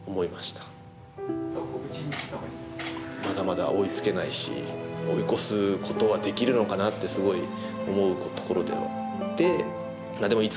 まだまだ追いつけないし追い越すことはできるのかなってすごい思うところではあって。